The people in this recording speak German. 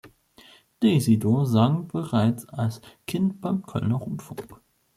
Daisy Door sang bereits als Kind beim Kölner Rundfunk.